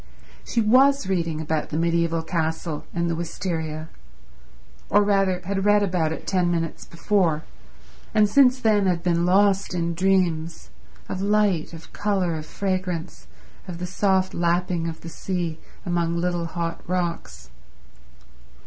She was reading about the mediaeval castle and the wisteria, or rather had read about it ten minutes before, and since then had been lost in dreams—of light, of colour, of fragrance, of the soft lapping of the sea among little hot rocks